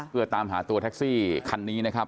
เพื่อตามหาตัวแท็กซี่คันนี้นะครับ